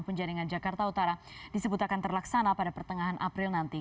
penjaringan jakarta utara disebut akan terlaksana pada pertengahan april nanti